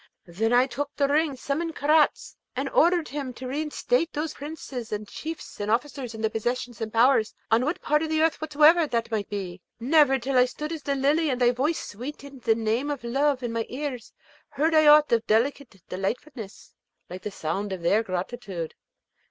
Then took I the ring, and summoned Karaz, and ordered him to reinstate all those princes and chiefs and officers in their possessions and powers, on what part of earth soever that might be. Never till I stood as the Lily and thy voice sweetened the name of love in my ears, heard I aught of delicate delightfulness, like the sound of their gratitude.